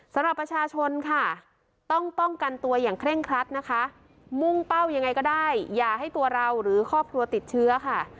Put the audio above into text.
สำหรับประชาชนค่ะต้องป้องกันตัวอย่างเคร่งครัดนะคะมุ่งเป้ายังไงก็ได้อย่าให้ตัวเราหรือครอบครัวติดเชื้อค่ะ